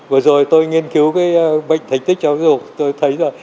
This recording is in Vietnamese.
vừa rồi tôi nghiên cứu cái bệnh thánh tích cho tôi thấy là